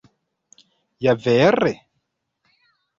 Ja vere?